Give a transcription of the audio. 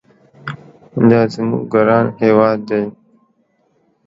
دا زموږ ګران هېواد دي.